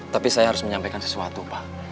tapi saya harus menyampaikan sesuatu pak